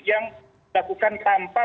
yang lakukan tanpa